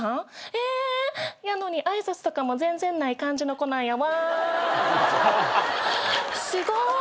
えやのに挨拶とかも全然ない感じの子なんや。わすごい。